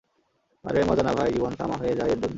আরে মজা না ভাই, জীবন তামা হয়ে যায় এর জন্যে।